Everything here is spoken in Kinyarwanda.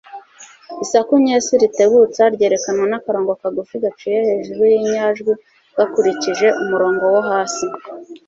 isaku nyesi ritebutsa ryerekanwa n'akarongo ka gufi gaciye hejuru y'inyajwi gakurikije umurongo wo hasi